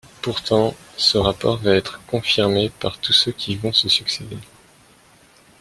Pourtant, ce rapport va être confirmé par tous ceux qui vont se succéder.